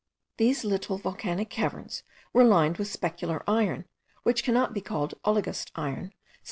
These little volcanic caverns were lined with specular iron, which cannot be called oligiste iron, since M.